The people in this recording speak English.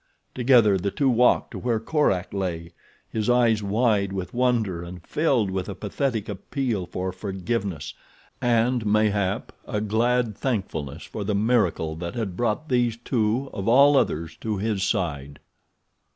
Together the two walked to where Korak lay, his eyes wide with wonder and filled with a pathetic appeal for forgiveness, and, mayhap, a glad thankfulness for the miracle that had brought these two of all others to his side.